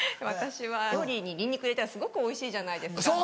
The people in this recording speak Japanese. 私は料理にニンニク入れたらすごくおいしいじゃないですか。